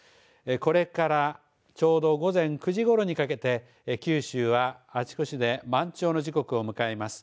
これからちょうど午前９時ごろにかけて九州はあちこちで満潮の時刻を迎えます。